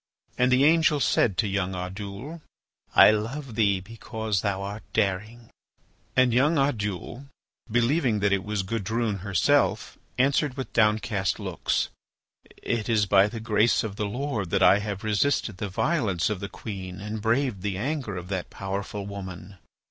And the angel said to young Oddoul: "I love thee because thou art daring." And young Oddoul, believing that it was Gudrune herself, answered with downcast looks: "It is by the grace of the Lord that I have resisted the violence of the queen and braved the anger of that powerful woman."